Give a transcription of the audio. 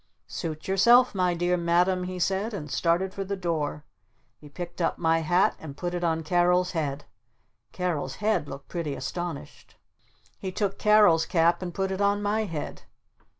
"Suit yourself, my dear Madam," he said and started for the door. He picked up my hat and put it on Carol's head. Carol's head looked pretty astonished. He took Carol's cap and put it on my head.